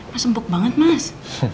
mas empuk banget mas